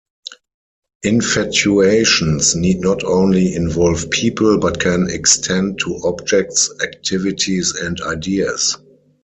Infatuations need not only involve people, but can extend to objects, activities, and ideas.